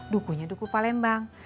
dukunya duku palembang